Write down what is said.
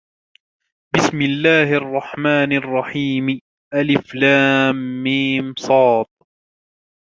بِسْمِ اللَّهِ الرَّحْمَنِ الرَّحِيمِ المص